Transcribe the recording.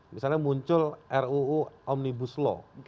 misalnya muncul ruu omnibus law